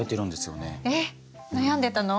えっ悩んでたの？